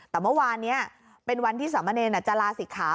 แต่เมื่อวานนี้เป็นวันที่สามเณรจะลาศิกขา